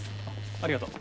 ありがとう。